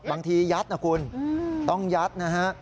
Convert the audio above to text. ยัดนะคุณต้องยัดนะฮะ